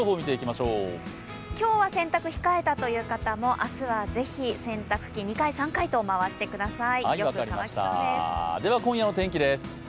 今日は洗濯を控えたという方も、明日はぜひ洗濯機、２回、３回と回してください。